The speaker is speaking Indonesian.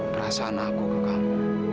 perasaan aku ke kamu